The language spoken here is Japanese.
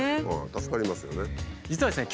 助かりますよね。